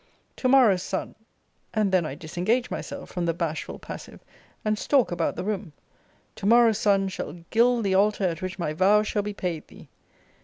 To morrow's sun and then I disengage myself from the bashful passive, and stalk about the room to morrow's sun shall gild the altar at which my vows shall be paid thee!